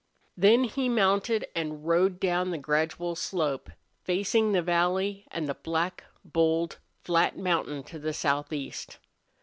Then he mounted and rode down the gradual slope, facing the valley and the black, bold, flat mountain to the southeast.